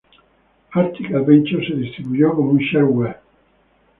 Arctic Adventure se distribuyó como un shareware.